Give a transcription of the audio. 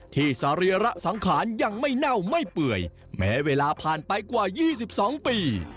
สรีระสังขารยังไม่เน่าไม่เปื่อยแม้เวลาผ่านไปกว่า๒๒ปี